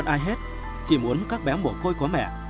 chị muốn các bé mổ côi có mẹ